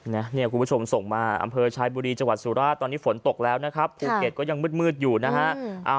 เนี่ยคุณผู้ชมส่งมาอำเภอชายบุรีจังหวัดสุราชตอนนี้ฝนตกแล้วนะครับภูเก็ตก็ยังมืดอยู่นะฮะ